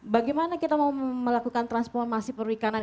bagaimana kita mau melakukan transformasi perikanan